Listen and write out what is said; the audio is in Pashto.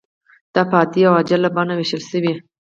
دا په عادي او عاجله بڼه ویشل شوې.